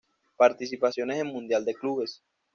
Participaciones en Mundial de Clubes